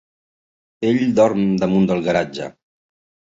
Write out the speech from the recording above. Ell dorm damunt del garatge.